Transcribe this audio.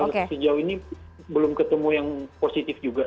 karena sejauh ini belum ketemu yang positif juga